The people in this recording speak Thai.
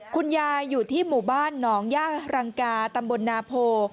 คุณยายอยู่ที่หมู่บ้านหนองย่ารังกาตำบลนาโพ